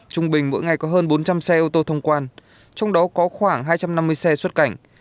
trung bình mỗi ngày có hơn bốn trăm linh xe ô tô thông quan trong đó có khoảng hai trăm năm mươi xe xuất cảnh